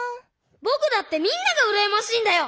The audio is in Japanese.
ぼくだってみんながうらやましいんだよ！